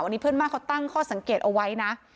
อันนี้เพื่อนบ้านเขาตั้งข้อสังเกตเอาไว้นะ